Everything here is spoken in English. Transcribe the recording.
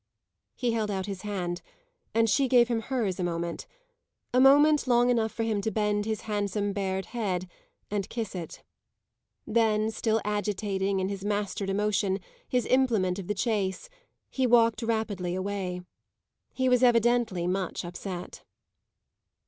He held out his hand, and she gave him hers a moment a moment long enough for him to bend his handsome bared head and kiss it. Then, still agitating, in his mastered emotion, his implement of the chase, he walked rapidly away. He was evidently much upset.